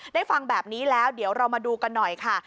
ฟังแบบนี้แล้วเดี๋ยวเรามาดูกันหน่อยค่ะ